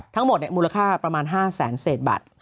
ทั้งหมดมูลค่าประมาณ๕แสนเศษบาท